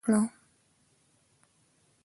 له دوی سره مې یو څه څښاک وکړ او خبرې مې ورسره وکړې.